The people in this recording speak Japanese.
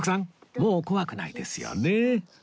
もう怖くないですよね